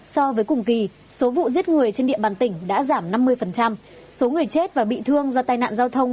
so với cùng kỳ số vụ giết người trên địa bàn tỉnh đã giảm năm mươi số người chết và bị thương do tai nạn giao thông